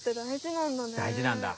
大事なんだ。